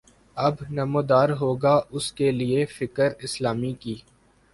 اب نمودار ہوگا اس کے لیے فکر اسلامی کی